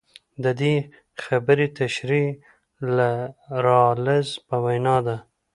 د دې خبرې تشرېح د رالز په وینا ده.